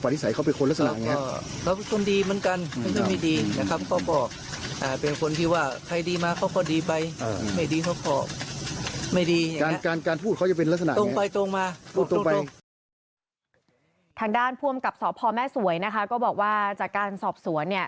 ทางด้านผู้อำกับสพแม่สวยนะคะก็บอกว่าจากการสอบสวนเนี่ย